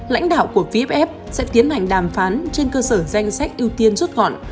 lãnh đạo của vff sẽ tiến hành đàm phán trên cơ sở danh sách ưu tiên rút gọn